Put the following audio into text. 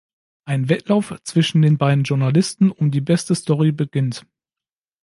Ein Wettlauf zwischen den beiden Journalisten um die beste Story beginnt.